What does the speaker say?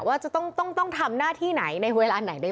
ว่าจะต้องทำหน้าที่ไหนในเวลาไหนด้วย